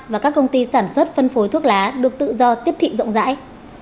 và các công ty sản xuất phân phối thuốc lá được tự do tiếp thị rộng rãi